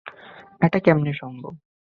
এটা কেমনে সম্ভব?